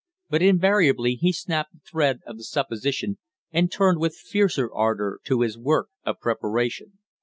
But invariably he snapped the thread of the supposition and turned with fiercer ardor to his work of preparation.